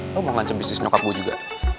lo mau ngancem bisnis nyokap gue juga